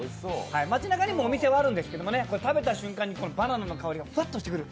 街なかにもお店はあるんですけど食べた瞬間にバナナの香りがふわっとしてくる。